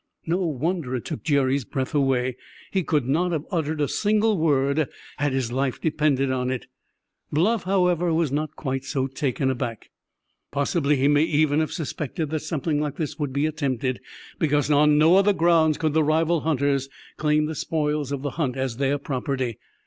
No wonder it took Jerry's breath away. He could not have uttered a single word had his life depended on it. Bluff, however, was not quite so taken aback. Possibly he may even have suspected that something like this would be attempted; because on no other grounds could the rival hunters claim the spoils of the hunt as their property.